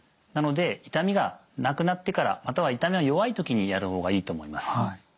なので痛みがなくなってからまたは痛みが弱い時にやる方がいいと思います。